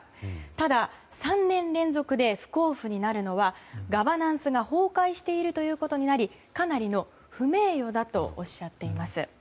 ただ、３年連続で不交付になるのはガバナンスが崩壊しているということになりかなりの不名誉だとおっしゃっています。